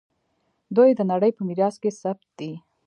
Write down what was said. دوی د نړۍ په میراث کې ثبت دي.